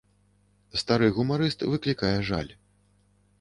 Стары гумарыст выклікае жаль.